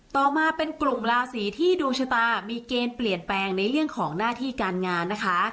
ต่อมาเป็นกลุ่มราศีที่ดวงชะตามีเกณฑ์เปลี่ยนแปลงในเรื่องของหน้าที่การงานนะคะ